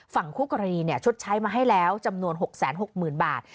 คู่กรณีชดใช้มาให้แล้วจำนวน๖๖๐๐๐บาท